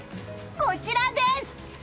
こちらです！